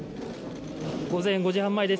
午前５時半前です。